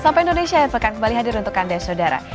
sampai indonesia akan kembali hadir untuk anda saudara